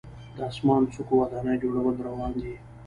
د اسمان څکو ودانیو جوړول روان دي.